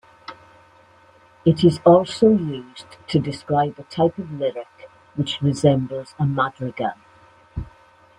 It is also used to describe a type of lyric which resembles a madrigal.